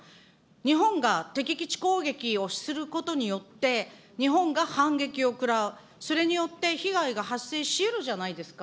日本が敵基地攻撃をすることによって、日本が反撃を食らう、それによって被害が発生しうるじゃないですか。